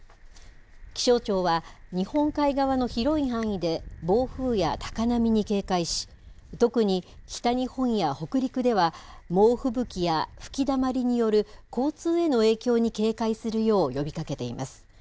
気象庁は、日本海側の広い範囲で暴風や高波に警戒し、特に、北日本や北陸では、猛吹雪や吹きだまりによる交通への影響に警戒するよう呼びかけています。